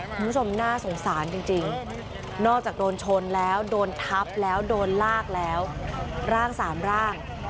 น่าสงสารจริงนอกจากโดนชนแล้วโดนทับแล้วโดนลากแล้วร่างสามร่าง